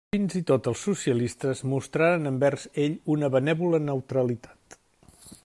Fins i tot els socialistes mostraren envers ell una benèvola neutralitat.